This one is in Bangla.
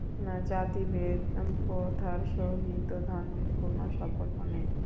জাতিভেদ-প্রথার সহিত ধর্মের কোন সম্পর্ক নাই।